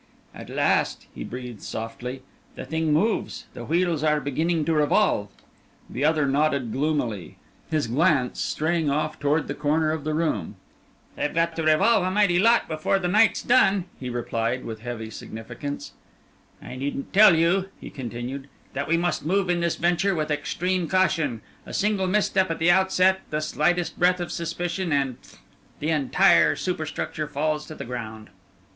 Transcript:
"At last!" he breathed, softly. "The thing moves. The wheels are beginning to revolve!" The other nodded gloomily, his glance straying off toward the corner of the room. "They've got to revolve a mighty lot more before the night's done!" he replied, with heavy significance. "I needn't tell you," he continued, "that we must move in this venture with extreme caution. A single misstep at the outset, the slightest breath of suspicion, and pff! the entire superstructure falls to the ground."